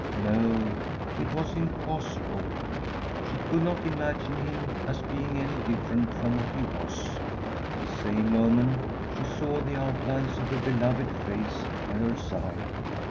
No, it was impossible, she could not imagine him as being any different from what he was. The same moment she saw the outlines of a beloved face by her side.